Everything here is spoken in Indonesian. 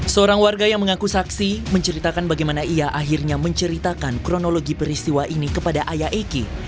seorang warga yang mengaku saksi menceritakan bagaimana ia akhirnya menceritakan kronologi peristiwa ini kepada ayah eki